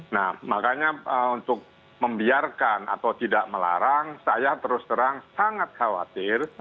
nah makanya untuk membiarkan atau tidak melarang saya terus terang sangat khawatir